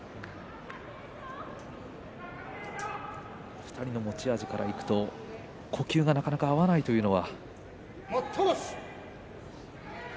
２人の持ち味からいくと呼吸がなかなか合わないというのは。